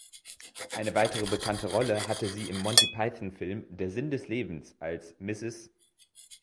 Eine weitere bekannte Rolle hatte sie im Monty-Python-Film "Der Sinn des Lebens" als "Mrs.